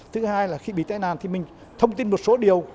thứ hai là khi bị tai nạn thì mình thông tin một số điều